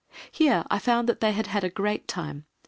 Here I found that they had had a great time.